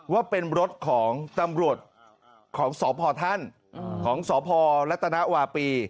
ว่าเป็นรถของตำรวจของสอบพอร์ท่านของสอบพอร์ลัตนาอวาปี